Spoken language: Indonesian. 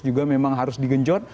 juga memang harus digenjot